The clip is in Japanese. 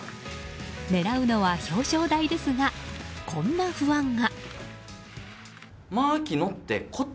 狙うのは表彰台ですがこんな不安が。